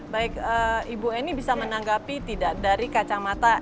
baik ibu eni bisa menanggapi tidak dari kacamata